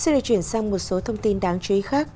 xin được chuyển sang một số thông tin đáng chú ý khác